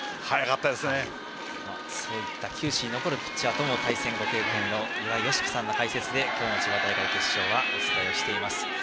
球史に残るピッチャーとも対戦のご経験のある岩井美樹さんの解説で今日の千葉大会の決勝はお伝えしています。